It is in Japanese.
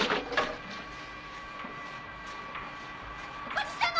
おじさま！